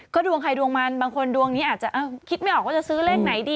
ก็ดวงใครดวงมันบางคนดวงนี้อาจจะคิดไม่ออกว่าจะซื้อเลขไหนดี